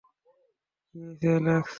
কি হয়েছে, অ্যালেক্স?